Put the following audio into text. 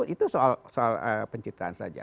itu soal pencitraan saja